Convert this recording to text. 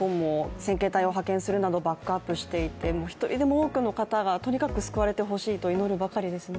現在、今日本も先遣隊を派遣するなどバックアップしていて、１人でも多くの方がとにかく救われてほしいと祈るばかりですね。